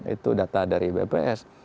itu data dari bps